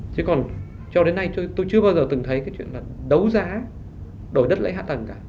chứ còn cho đến nay tôi chưa bao giờ từng thấy cái chuyện là đấu giá đổi đất lấy hạ tầng cả